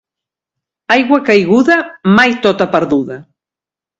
Aigua caiguda, mai tota perduda.